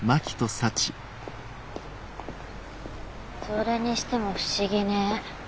それにしても不思議ね。